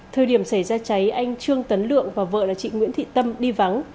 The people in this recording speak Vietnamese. thời điểm xảy ra cháy anh trương tấn lượng và vợ là chị nguyễn thị tâm đi vắng